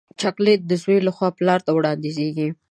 چاکلېټ د زوی له خوا پلار ته وړاندیزېږي.